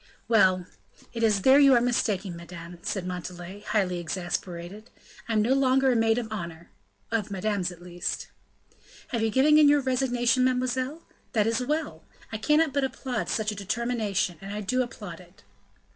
"Well! it is there you are mistaken, madame," said Montalais, highly exasperated; "I am no longer a maid of honor, of madame's at least." "Have you given in your resignation, mademoiselle? That is well! I cannot but applaud such a determination, and I do applaud it."